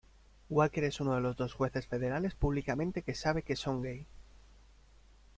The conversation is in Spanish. Walker es uno de los dos jueces federales públicamente que sabe que son gay.